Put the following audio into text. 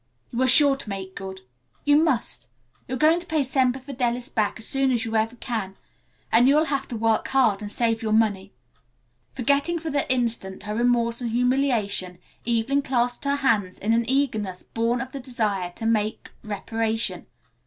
"You are sure to make good. You must. You're going to pay Semper Fidelis back as soon as ever you can and you'll have to work hard and save your money." Forgetting for the instant her remorse and humiliation Evelyn clasped her hands in an eagerness born of the desire to make reparation.